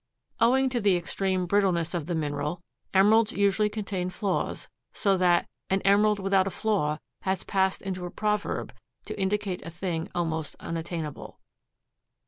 Owing to the extreme brittleness of the mineral, emeralds usually contain flaws, so that "an emerald without a flaw" has passed into a proverb to indicate a thing almost unattainable.